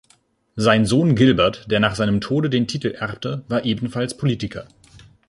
Sein Sohn Gilbert, der nach seinem Tode den Titel erbte, war ebenfalls Politiker.